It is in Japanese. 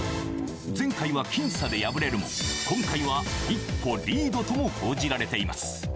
前回は僅差で敗れるものの、今回は一歩リードとも報じられています。